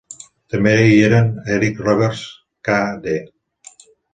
També hi eren Eric Roberts, k.d.